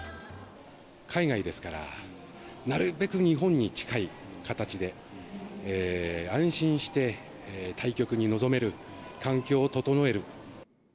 海外ですから、なるべく日本に近い形で、安心して対局に臨める環境を整える。